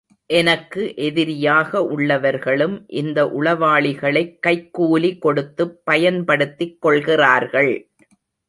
எனக்கு எதிரியாக உள்ளவர்களும் இந்த உளவாளிகளைக் கைக்கூலி கொடுத்துப் பயன்படுத்திக் கொள்கிறார்கள்.